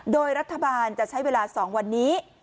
โดยรัฐบาลจะใช้เวลา๒วันนี้